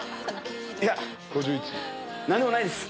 いや何でもないです。